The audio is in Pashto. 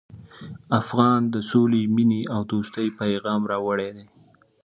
افغان د سولې، مینې او دوستۍ پیغام راوړی دی.